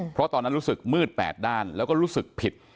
เพราะตอนนั้นรู้สึกมืด๘ด้านแล้วก็รู้สึกผิด